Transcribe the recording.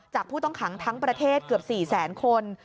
จากผู้ต้องขังทั้งประเทศเกือบ๔๐๐๐๐๐คน